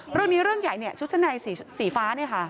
เรื่องนี้เรื่องใหญ่ชุดชั้นในสีฟ้า